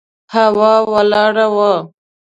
هوا ولاړه وه.